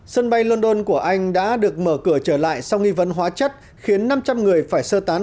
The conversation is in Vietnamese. sân bay london của anh đã được mở cửa trở lại sau nghi vấn hóa chất khiến năm trăm linh người phải sơ tán